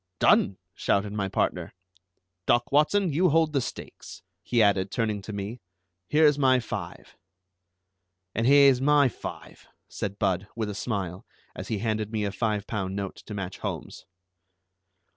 "Done!" shouted my partner. "Doc Watson, you hold the stakes," he added, turning to me; "here's my five." "And here's my five," said Budd, with a smile, as he handed me a five pound note to match Holmes's.